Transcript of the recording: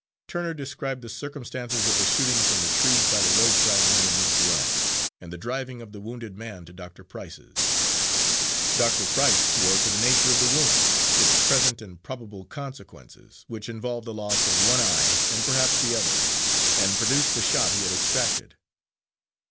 Turner described the circumstances of the shooting from the trees by the roadside near Mink Run, and the driving of the wounded man to Doctor Price's. Doctor Price swore to the nature of the wound, its present and probable consequences, which involved the loss of one eye and perhaps the other, and produced the shot he had extracted.